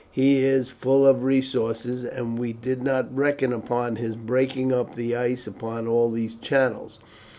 He is full of resources, and we did not reckon upon his breaking up the ice upon all these channels.